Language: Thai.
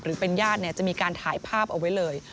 หรือเป็นญาติจะมีการถ่ายภาพเอาไว้เลย